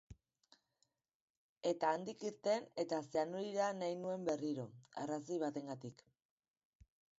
Eta handik irten eta Zeanurira nahi nuen berriro, arrazoi batengatik.